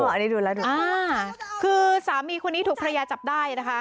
อันนี้ดูแล้วดูคือสามีคนนี้ถูกภรรยาจับได้นะคะ